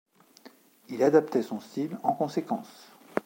Il adaptait son style en conséquence.